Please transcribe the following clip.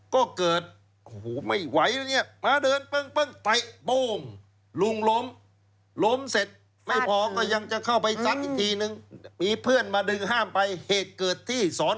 ก็เกิดโอ้โฮไม่ไหวนะนี่